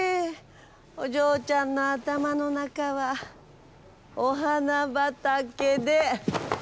お嬢ちゃんの頭の中はお花畑で！